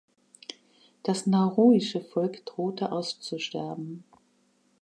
Das nauruische Volk drohte auszusterben.